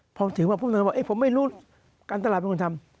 พอถึงว่าผู้โดยการบอกผมไม่รู้การตลาดเป็นคนทำ